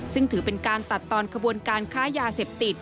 ซึ่งถือเป็นการตัดตอนขบวนการค้ายาเสพติด